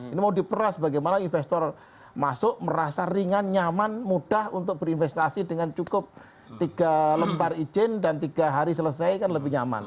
ini mau diperas bagaimana investor masuk merasa ringan nyaman mudah untuk berinvestasi dengan cukup tiga lembar izin dan tiga hari selesai kan lebih nyaman